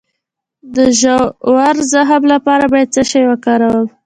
د ژور زخم لپاره باید څه شی وکاروم؟